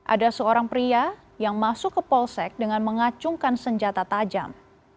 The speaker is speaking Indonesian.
ada seorang pria yang masuk ke polsek dengan mengacungkan senjata tajam